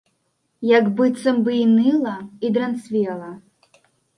Як быццам бы і ныла, і дранцвела.